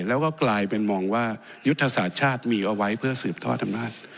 แล้วก็กลายเป็นมองว่ายุทธศาสตร์ชาติมีเอาไว้เพื่อสืบทอดอำนาจ